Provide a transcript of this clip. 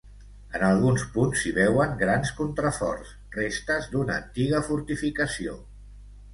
En alguns punts s'hi veuen grans contraforts, restes d'una antiga fortificació.